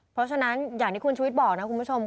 เพราะฉะนั้นอย่างที่คุณชุวิตบอกนะคุณผู้ชม